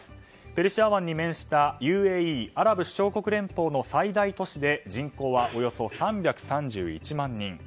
ペルシア湾に面したＵＡＥ・アラブ首長国連邦の最大都市で人口は、およそ３３１万人。